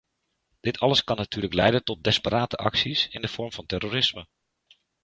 Dit alles kan natuurlijk leiden tot desperate acties in de vorm van terrorisme.